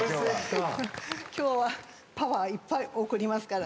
今日はパワーいっぱい送りますからね。